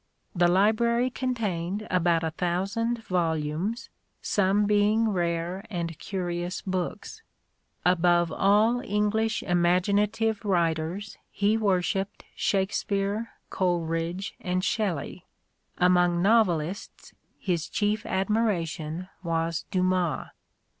The library contained about a thousand volumes, some being rare and curious books. Above all English imaginative writers he worshipped Shakespeare, Coleridge, and Shelley : among novelists his chief admiration was Dumas.